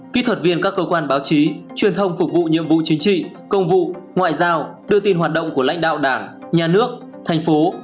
kỹ thuật viên các cơ quan báo chí truyền thông phục vụ nhiệm vụ chính trị công vụ ngoại giao đưa tin hoạt động của lãnh đạo đảng nhà nước thành phố